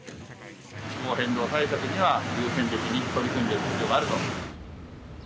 気候変動対策には優先的に取り組んでいく必要があると。